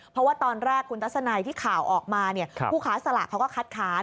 เพราะว่าตอนแรกคุณตะสนัยที่ข่าวออกมาเนี่ยผู้ขาสลากเขาก็คัดขาญ